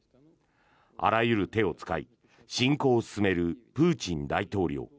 あらゆる手を使い、侵攻を進めるプーチン大統領。